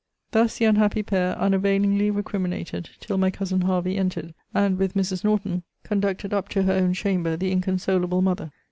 Thus the unhappy pair unavailingly recriminated, till my cousin Hervey entered, and, with Mrs. Norton, conducted up to her own chamber the inconsolable mother.